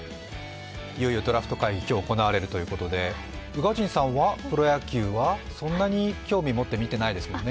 いよいよドラフト会議、今日行われるということで宇賀神さんはプロ野球はそんなに興味持って見てないですよね？